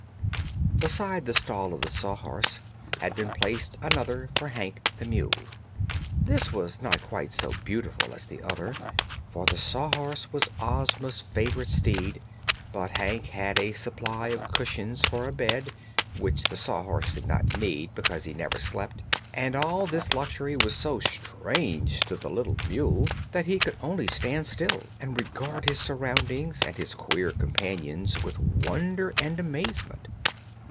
Beside the stall of the Sawhorse had been placed another for Hank, the mule. This was not quite so beautiful as the other, for the Sawhorse was Ozma's favorite steed; but Hank had a supply of cushions for a bed (which the Sawhorse did not need because he never slept) and all this luxury was so strange to the little mule that he could only stand still and regard his surroundings and his queer companions with wonder and amazement.